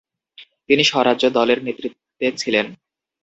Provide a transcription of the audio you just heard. তিনি স্বরাজ্য দলের নেতৃত্বে ছিলেন।